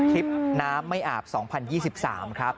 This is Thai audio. คลิปน้ำไม่อาบ๒๐๒๓ครับ